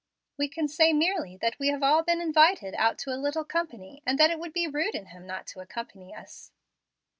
We can say merely that we have all been invited out to a little company, and that it would be rude in him not to accompany us."